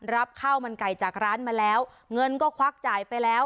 รับข้าวมันไก่จากร้านมาแล้วเงินก็ควักจ่ายไปแล้ว